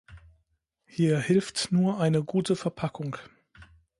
Hier hilft nur eine gute Verpackung.